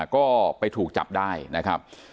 ก็ไปถูกจับได้นะครับ